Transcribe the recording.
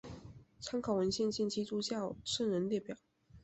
参考文献见基督教圣人列表。